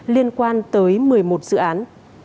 liên quan tới một mươi một dự án